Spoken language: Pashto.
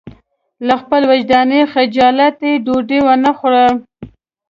له خپل وجداني خجالته یې ډوډۍ ونه خوړه.